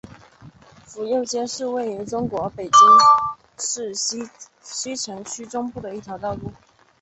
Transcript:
府右街是位于中国北京市西城区中部的一条道路。